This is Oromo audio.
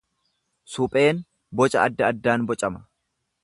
Supheen boca adda addaan bocama.